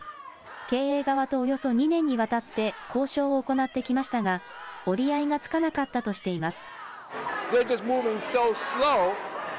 経営側とおよそ２年にわたって交渉を行ってきましたが折り合いがつかなかったとしています。